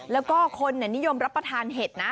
แล้วก็คนนิยมรับประทานเห็ดนะ